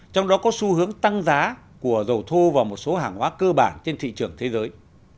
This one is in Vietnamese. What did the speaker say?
trong đó có xu hướng tăng giá của dầu thô và một số hàng hóa cơ bản trên thị trường thế giới